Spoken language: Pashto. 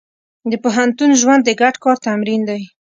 د پوهنتون ژوند د ګډ کار تمرین دی.